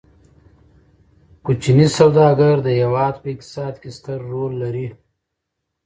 کوچني سوداګر د هیواد په اقتصاد کې ستر رول لري.